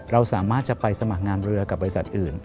เราสามารถจะไปสมัครงานเรือกับบริษัทอื่น